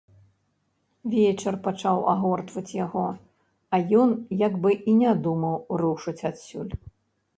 Вечар пачаў агортваць яго, а ён як бы і не думаў рушыць адсюль.